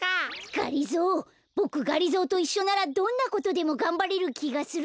がりぞーボクがりぞーといっしょならどんなことでもがんばれるきがする。